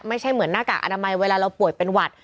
ไม่ใช่เหมือนหน้ากากอนามัยเวลาเราป่วยเป็นหวัด